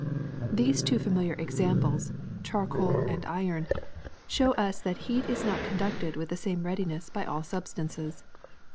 ''These two familiar examples, charcoal and iron, show us that heat is not conducted with the same readiness by all substances.